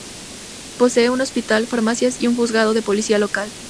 Posee un hospital, farmacias y un juzgado de policía local.